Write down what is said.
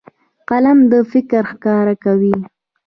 قلم فکر ښکاره کوي.